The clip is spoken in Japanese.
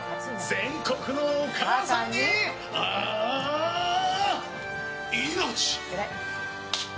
全国のお母さんに「命！」。